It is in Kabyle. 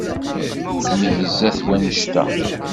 Negza-t wannect-a.